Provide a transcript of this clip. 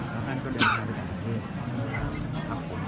แล้วท่านก็เดินเข้าเต็มให้ประเทศ